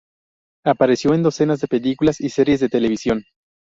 Apareció en docenas de películas y series de televisión.